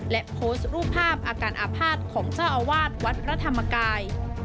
และโพสต์รูปภาพอาการอาภาษณ์ของเจ้าอาวาสวัดพระธรรมกาย